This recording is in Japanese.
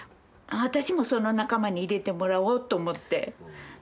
私もその仲間に入れてもらおうと思って。